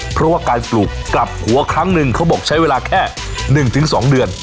เพราะว่าการปลูกกลับหัวครั้งหนึ่งเขาบอกใช้เวลาแค่๑๒เดือน